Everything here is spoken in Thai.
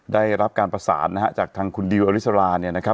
ได้รับการปราศนจากคุณดิวอาริสรา